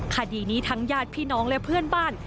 คดีนี้ทั้งญาติพี่น้องและเพื่อนบ้าน